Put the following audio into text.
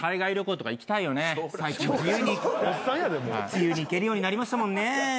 自由に行けるようになりましたもんね。